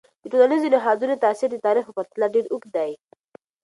د ټولنیزو نهادونو تاثیر د تاریخ په پرتله ډیر اوږد دی.